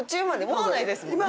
もうないですもんね。